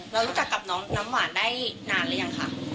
รู้จักกับน้องน้ำหวานได้นานหรือยังคะ